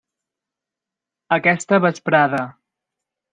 Aquesta vesprada.